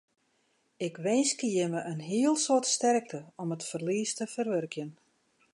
Ik winskje jimme in hiel soad sterkte om it ferlies te ferwurkjen.